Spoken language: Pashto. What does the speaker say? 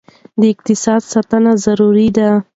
د اقتصاد ساتنه ضروري ده.